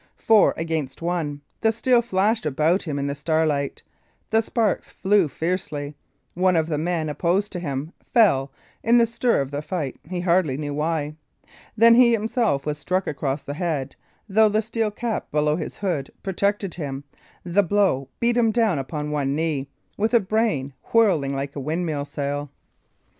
Four against one, the steel flashed about him in the starlight; the sparks flew fiercely; one of the men opposed to him fell in the stir of the fight he hardly knew why; then he himself was struck across the head, and though the steel cap below his hood protected him, the blow beat him down upon one knee, with a brain whirling like a windmill sail.